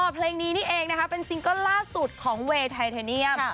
เพลงนี้นี่เองนะคะเป็นซิงเกิลล่าสุดของเวย์ไทเทเนียม